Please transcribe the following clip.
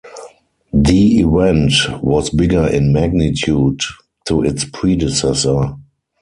The event was bigger in magnitude to its predecessor.